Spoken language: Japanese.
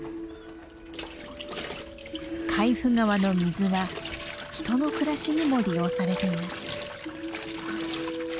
海部川の水は人の暮らしにも利用されています。